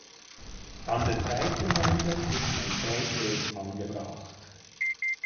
An den Seitenwänden ist ein Kreuzweg angebracht.